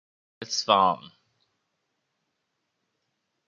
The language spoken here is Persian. اصفهان